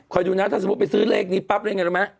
คอยดูนะถ้าสมมติไปซื้อเลขนี้ปั๊บได้ไหม